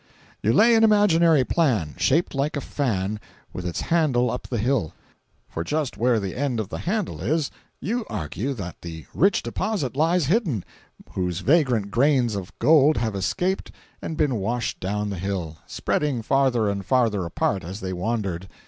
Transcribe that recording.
You lay an imaginary plan, shaped like a fan, with its handle up the hill—for just where the end of the handle is, you argue that the rich deposit lies hidden, whose vagrant grains of gold have escaped and been washed down the hill, spreading farther and farther apart as they wandered.